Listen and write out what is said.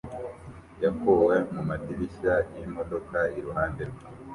yakuwe mumadirishya yimodoka iruhande rwe